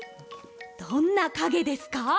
どんなかげですか？